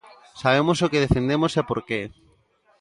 Sabemos o que defendemos e por que.